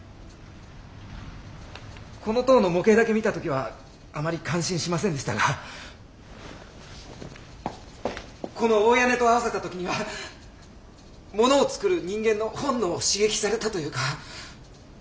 この塔の模型だけ見た時はあまり感心しませんでしたがこの大屋根と合わさった時にはものを作る人間の本能を刺激されたというか。